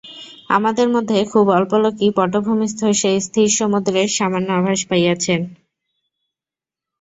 আমাদের মধ্যে খুব অল্প লোকই পটভূমিস্থ সেই স্থির সমুদ্রের সামান্য আভাস পাইয়াছেন।